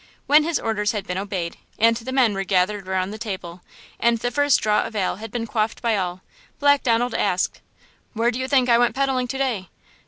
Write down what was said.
When his orders had been obeyed, and the men were gathered around the table, and the first draught of ale had been quaffed by all, Black Donald asked: "Where do you think I went peddling to day?"